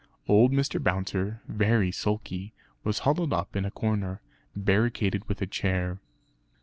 Old Mr. Bouncer, very sulky, was huddled up in a corner, barricaded with a chair.